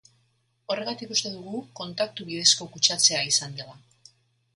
Horregatik uste dugu kontaktu bidezko kutsatzea izan dela.